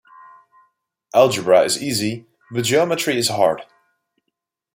Algebra is easy, but geometry is hard.